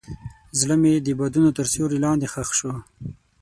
زړه مې د بادونو تر سیوري لاندې ښخ شو.